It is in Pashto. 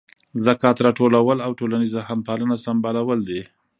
ذکات راټولول او ټولنیزه همپالنه سمبالول دي.